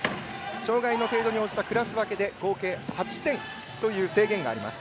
障がいの程度に応じたクラス分けで合計８点という制限があります。